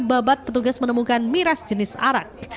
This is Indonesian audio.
babat petugas menemukan miras jenis arak